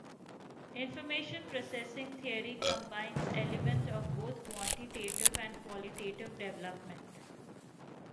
Information processing theory combines elements of both quantitative and qualitative development.